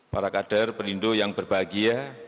pada saat ini